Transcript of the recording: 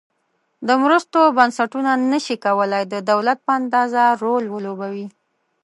د مرستو بنسټونه نشي کولای د دولت په اندازه رول ولوبوي.